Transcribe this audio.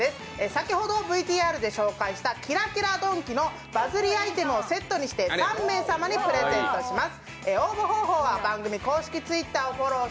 先ほどＶＴＲで紹介したキラキラドンキのバズりアイテムをセットにして３名様にプレゼントします。